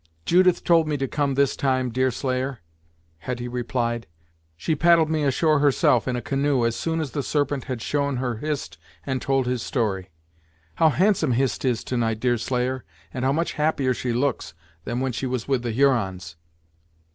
"Judith told me to come this time, Deerslayer," Hetty replied, "she paddled me ashore herself, in a canoe, as soon as the Serpent had shown her Hist and told his story. How handsome Hist is to night, Deerslayer, and how much happier she looks than when she was with the Hurons!"